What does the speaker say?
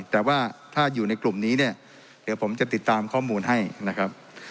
แต่ว่าถ้าอยู่ในกลุ่มนี้เนี่ยเดี๋ยวผมจะติดตามข้อมูลให้นะครับ